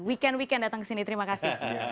weekend weekend datang ke sini terima kasih